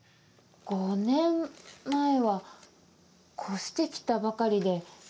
５年前は越してきたばかりで。